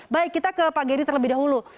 baik kita ke pak geri terlebih dahulu